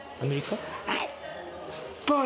はい！